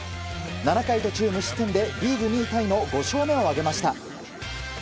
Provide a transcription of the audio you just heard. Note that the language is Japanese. ７回途中無失点でリーグ２位タイの５勝目を挙げました。